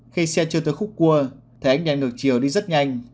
khi xe chưa tới khúc cua thấy anh đang ngược chiều đi rất nhanh